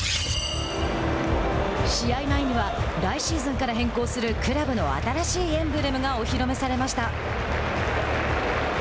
試合前には来シーズンから変更するクラブの新しいエンブレムがお披露目されました。